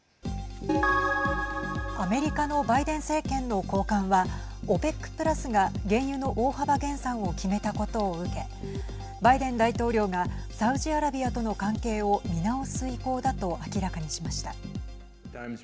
アメリカのバイデン政権の高官はＯＰＥＣプラスが原油の大幅減産を決めたことを受けバイデン大統領がサウジアラビアとの関係を見直す意向だと明らかにしました。